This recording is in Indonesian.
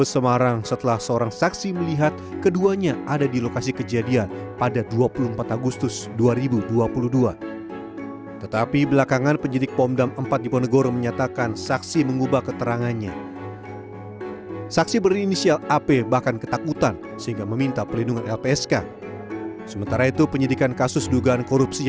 yang pelakunya baik itu yang menyuruh baik itu yang membayari baik itu yang mengikuti